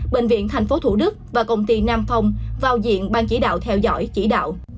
bệnh viện tp thủ đức và công ty nam phong vào diện ban chỉ đạo theo dõi chỉ đạo